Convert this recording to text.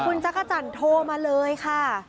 คุณจักรจันทร์โทรมา